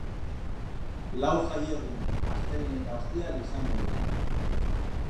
Lau jaiegun astelehen eta ostiral izango dira.